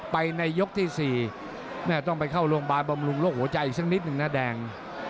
ไปในยกที่๔แม่ต้องไปเข้าโรงพยาบาลบำรุงโรคหัวใจอีกสักนิดนึงนะแดง